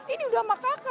ini udah sama kakak